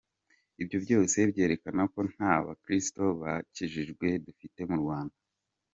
ibyo byose byerekana ko nta ba kristo bakijijwe dufite mu Rwanda.